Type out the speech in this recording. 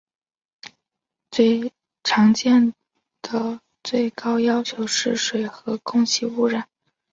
常见的最高要求是水和空气污染。